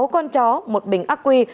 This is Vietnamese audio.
sáu con chó một bình aqui